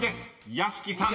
［屋敷さん］